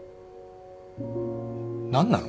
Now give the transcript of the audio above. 何なの。